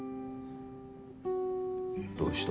どうした？